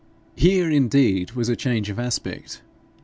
Here, indeed, was a change of aspect!